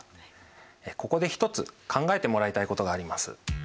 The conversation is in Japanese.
ここで一つ考えてもらいたいことがあります。